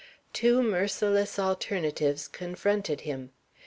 Two merciless alternatives confronted him.